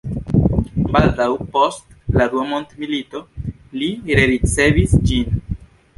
Baldaŭ post la Dua Mondmilito li rericevis ĝin.